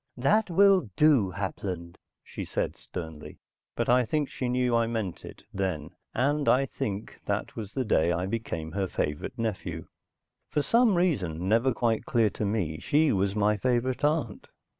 "That will do, Hapland!" she said sternly. But I think she knew I meant it then and I think that was the day I became her favorite nephew. For some reason, never quite clear to me, she was my favorite aunt.